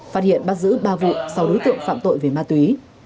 phát hiện bắt giữ ba vụ sáu đối tượng phạm tội về ma túy